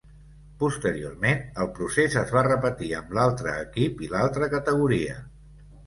Posteriorment, el procés es va repetir amb l'altre equip i l'altra categoria.